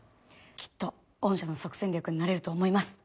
きっと御社の即戦力になれると思います。